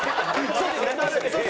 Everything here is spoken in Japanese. そうですね。